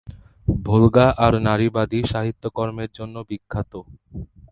Volga তার নারীবাদী সাহিত্যকর্মের জন্য বিখ্যাত।